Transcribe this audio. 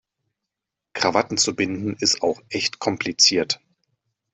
Krawatten zu binden, ist auch echt kompliziert.